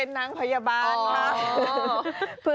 สสสสสสส